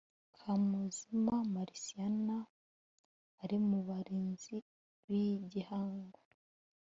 kamuzima marciana (soeur magdalena) ari mu barinzi b'igihango